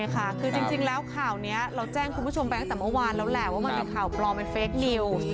คือจริงแล้วข่าวนี้เราแจ้งคุณผู้ชมไปตั้งแต่เมื่อวานแล้วแหละว่ามันเป็นข่าวปลอมเป็นเฟคนิวส์